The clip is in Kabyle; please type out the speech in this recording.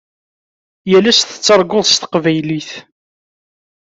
Yal ass tettarguḍ s teqbaylit.